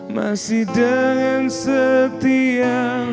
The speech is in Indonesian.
masih dengan setia